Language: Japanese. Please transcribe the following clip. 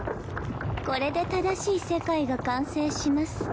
これで正しい世界が完成します。